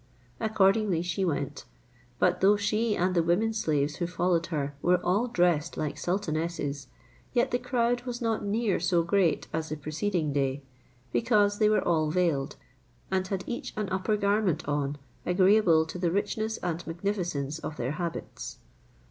Accordingly she went; but though she and the women slaves who followed her were all dressed like sultanesses, yet the crowd was not near so great as the preceding day, because they were all veiled, and had each an upper garment on agreeable to the richness and magnificence of their habits.